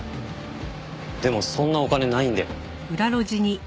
でもそんなお金ないんで。